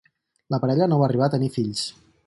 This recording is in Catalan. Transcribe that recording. La parella no va arribar a tenir fills.